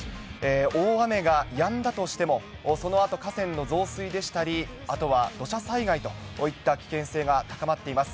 大雨がやんだとしても、そのあと河川の増水でしたり、あとは土砂災害といった危険性が高まっています。